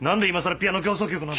『ピアノ協奏曲』なんて。